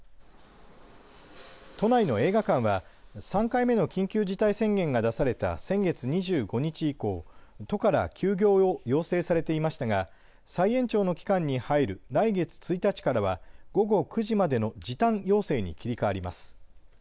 都内の映画館は３回目の緊急事態宣言が出された先月２５日以降、都から休業を要請されていましたが再延長の期間に入る来月１日からは午後９時までの時短要請に切り替わります。